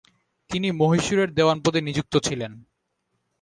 তিনি মহীশূরের দেওয়ান পদে নিযুক্ত ছিলেন।